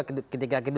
keduga ketika di balai